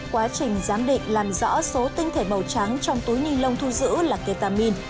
quá trình giám định làm rõ số tinh thể màu trắng trong túi ninh long thu giữ là ketamin